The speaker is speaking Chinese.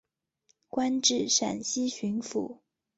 官至陕西巡抚。